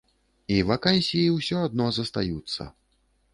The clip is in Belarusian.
І вакансіі ўсё адно застаюцца!